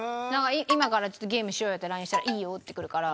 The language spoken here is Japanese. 今からちょっとゲームしようよってＬＩＮＥしたら「いいよ」ってくるから。